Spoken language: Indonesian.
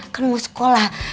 kan mau sekolah